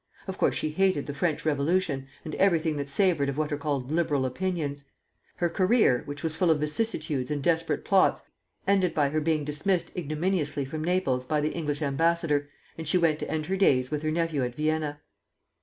Of course she hated the French Revolution, and everything that savored of what are called liberal opinions. Her career, which was full of vicissitudes and desperate plots, ended by her being dismissed ignominiously from Naples by the English ambassador, and she went to end her days with her nephew at Vienna.